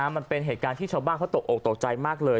มันเป็นเหตุการณ์ที่ชาวบ้านเขาตกออกตกใจมากเลย